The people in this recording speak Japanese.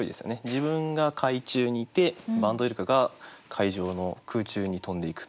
自分が海中にいてバンドウイルカが海上の空中に飛んでいく。